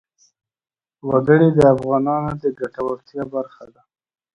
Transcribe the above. وګړي د افغانانو د ګټورتیا برخه ده.